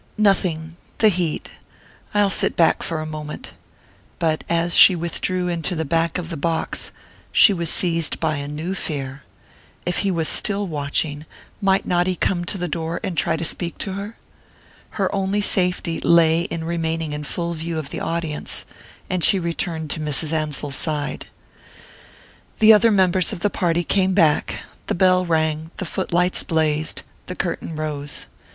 "Nothing the heat I'll sit back for a moment." But as she withdrew into the back of the box, she was seized by a new fear. If he was still watching, might he not come to the door and try to speak to her? Her only safety lay in remaining in full view of the audience; and she returned to Mrs. Ansell's side. The other members of the party came back the bell rang, the foot lights blazed, the curtain rose.